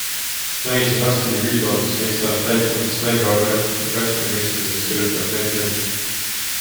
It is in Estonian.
Naisi on raske isegi üldjoontes mõista - rääkimata siis naise orgasmi mõistmisest, kirjutab Men's Health.